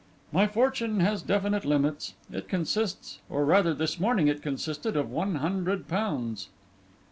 'My fortune has definite limits. It consists, or rather this morning it consisted, of one hundred pounds.